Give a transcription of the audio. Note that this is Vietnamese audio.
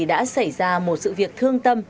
đã xảy ra một sự việc thương tâm